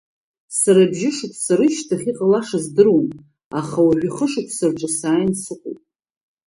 Сара бжьышықәса рышьҭахь иҟалаша здыруан, аха уажәы хышықәса рҿы сааин сыҟоуп.